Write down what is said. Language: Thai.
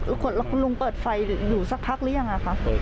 ลูกคุณลูกเปิดไฟอยู่สักพักหรือยังอะคะเปิดสักพักเห็นแล้ว